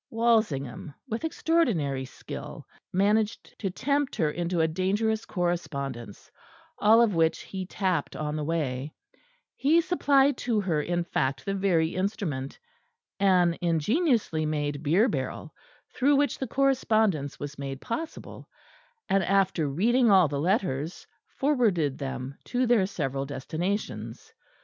Walsingham, with extraordinary skill, managed to tempt her into a dangerous correspondence, all of which he tapped on the way: he supplied to her in fact the very instrument an ingeniously made beer barrel through which the correspondence was made possible, and, after reading all the letters, forwarded them to their several destinations.